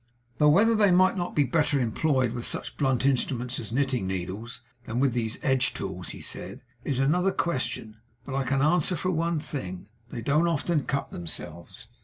'Though whether they might not be better employed with such blunt instruments as knitting needles than with these edge tools,' he said, 'is another question; but I can answer for one thing they don't often cut themselves.